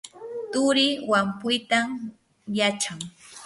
turii wampuytam yachan.